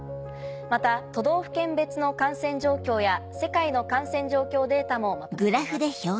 また都道府県別の感染状況や世界の感染状況データもまとめています。